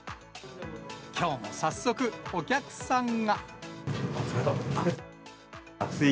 きょうも早速、お客さんが。